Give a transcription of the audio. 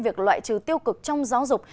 việc loại trừ tiêu cực trong giáo dục